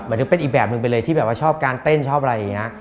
ถึงเป็นอีกแบบหนึ่งไปเลยที่แบบว่าชอบการเต้นชอบอะไรอย่างนี้